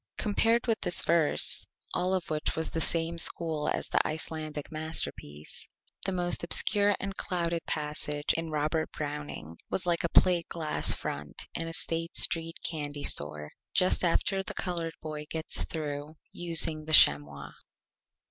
Compared with this Verse, all of which was of the same School as the Icelandic Masterpiece, the most obscure and clouded Passage in Robert Browning was like a Plate Glass Front in a State Street Candy Store just after the Colored Boy gets through using the Chamois.